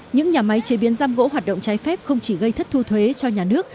những nhà máy chế biến giam gỗ hoạt động trái phép không chỉ gây thất thu thuế cho nhà nước